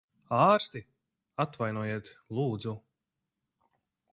Ārsti! Atvainojiet, lūdzu.